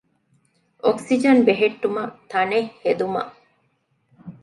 އޮކްސިޖަން ބެހެއްޓުމަށް ތަނެއް ހެދުމަށް